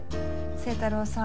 星太郎さん。